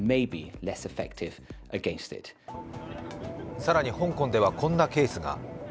更に、香港ではこんなケースが。